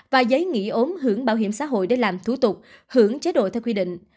và giấy nghỉ ốm hưởng bảo hiểm xã hội để làm thủ tục hưởng chế độ theo quy định